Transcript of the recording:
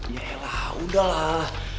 ya elah udah lah